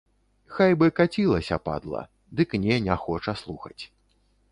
Хай бы каціліся, падла, дык не, не хоча слухаць.